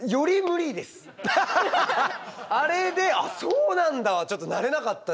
あれで「ああそうなんだ」はちょっとなれなかったですよ。